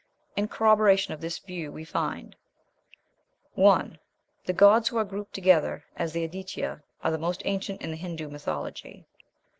In corroboration of this view we find, 1. The gods who are grouped together as the Aditya are the most ancient in the Hindoo mythology.